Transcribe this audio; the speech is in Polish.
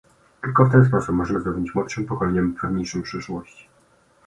Tylko w ten sposób możemy zapewnić młodszym pokoleniom pewniejszą przyszłość